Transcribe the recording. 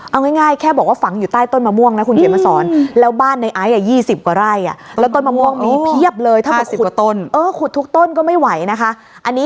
เอาง่ายแค่บอกว่าฝังอยู่ใต้ต้นมะม่วงนะคุณเฮียมาสอน